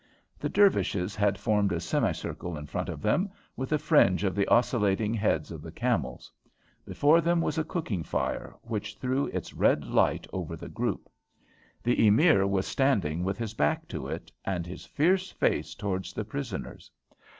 The Dervishes had formed a semicircle in front of them, with a fringe of the oscillating heads of the camels. Before them was a cooking fire, which threw its red light over the group. The Emir was standing with his back to it, and his fierce face towards the prisoners.